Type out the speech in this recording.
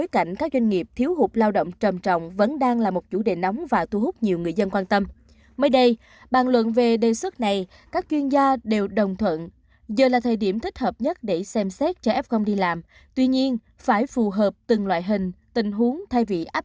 các bạn hãy đăng ký kênh để ủng hộ kênh của chúng mình nhé